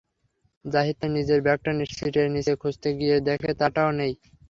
জাহিদ তার নিজের ব্যাগটা সিটের নিচে খুঁজতে গিয়ে দেখে তারটাও নেই।